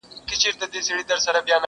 صبر په هر څه کي په کار دی!.